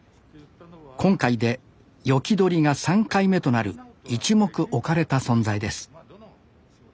今回で斧取りが３回目となる一目置かれた存在です